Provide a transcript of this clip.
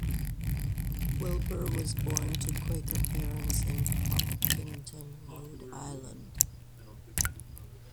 Wilbur was born to Quaker parents in Hopkinton, Rhode Island.